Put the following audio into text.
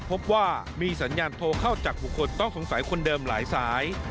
พบว่ามีสัญญาณโทรเข้าจากบุคคลต้องสงสัยคนเดิมหลายสาย